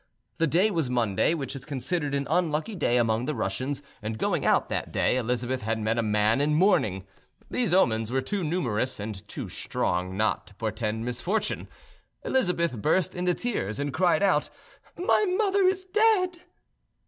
The day was Monday, which is considered an unlucky day among the Russians, and, going out that day, Elizabeth had met a man in mourning; these omens were too numerous and too strong not to portend misfortune. Elizabeth burst into tears, and cried out, "My mother is dead!"